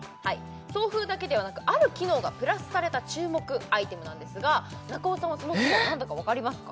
送風だけではなくある機能がプラスされた注目アイテムなんですが中尾さんはその機能何だかわかりますか？